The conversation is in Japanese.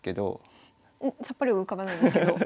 さっぱり浮かばないんですけど先生